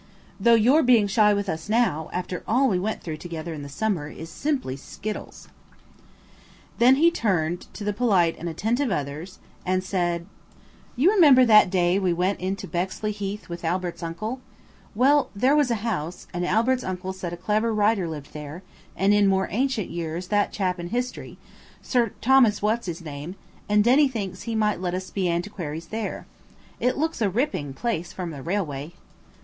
"Though you're being shy with us now, after all we went through together in the summer, is simply skittles." Then he turned to the polite and attentive others and said– OSWALD LISTENED AS CAREFULLY AS HE COULD, BUT DENNY ALWAYS BUZZES SO WHEN HE WHISPERS. "You remember that day we went to Bexley Heath with Albert's uncle? Well, there was a house, and Albert's uncle said a clever writer lived there, and in more ancient years that chap in history–Sir Thomas What's his name; and Denny thinks he might let us be antiquaries there. It looks a ripping place from the railway."